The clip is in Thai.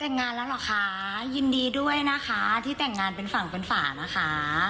แต่งงานแล้วเหรอคะยินดีด้วยนะคะที่แต่งงานเป็นฝั่งเป็นฝานะคะ